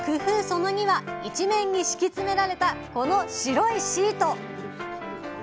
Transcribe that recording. その２は「一面に敷き詰められたこの白いシート」！